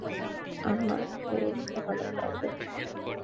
আমার ফুল ভালো লাগে না।